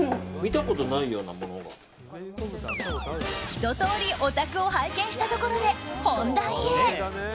ひと通り、お宅を拝見したところで本題へ。